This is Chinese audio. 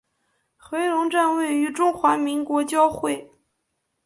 回龙站位于中华民国交会。